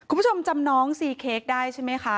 คุณผู้ชมจำน้องซีเค้กได้ใช่ไหมคะ